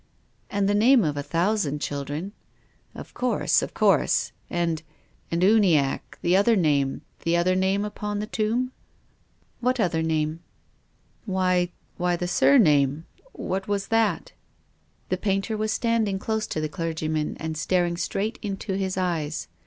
"And the name of a thousand children." " Of course, of course. And — and, Uniacke, the other name, the other name upon that tomb?" "What other name?" 48 TONGUES OF CONSCIENCE. " Why — why the surname. What is that ?" The painter was standing close to the clergyman and staring straight into his eyes.